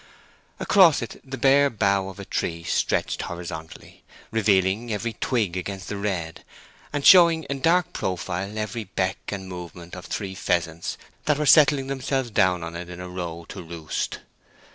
Across it the bare bough of a tree stretched horizontally, revealing every twig against the red, and showing in dark profile every beck and movement of three pheasants that were settling themselves down on it in a row to roost.